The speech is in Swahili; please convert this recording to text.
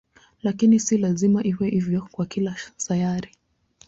Lakini si lazima iwe hivyo kwa kila sayari.